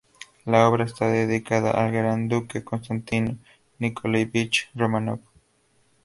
La obra está dedicada al gran duque Constantino Nikoláievich Románov.